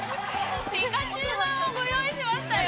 ◆ピカチュウまんをご用意しましたよ。